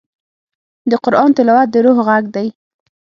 د قرآن تلاوت د روح غږ دی.